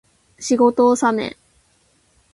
仕事納め